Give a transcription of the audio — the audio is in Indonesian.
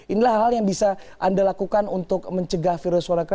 inilah hal hal yang bisa anda lakukan untuk mencegah virus corona